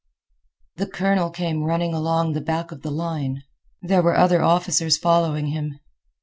The colonel came running along the back of the line. There were other officers following him.